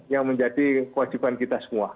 yang menjadi kewajiban kita semua